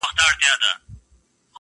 • دا دریاب دی موږ ته پاته دي مزلونه -